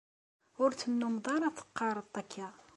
Ur tennumeḍ ara teqqareḍ-d akka.